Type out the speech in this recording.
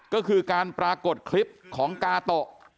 ก็คือการปรากฏคลิปของกาโตะ